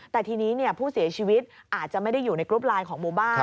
แต่ทีนี้ผู้เสียชีวิตอาจจะไม่ได้อยู่ในกรุ๊ปไลน์ของหมู่บ้าน